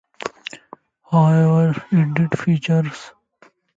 However, it did feature a reverse gear, unlike some other bubble cars.